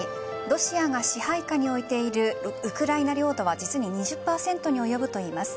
ロシアが支配下に置いているウクライナ領土は実に２０％に及ぶといいます。